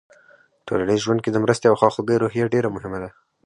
ټولنیز ژوند کې د مرستې او خواخوږۍ روحیه ډېره مهمه ده.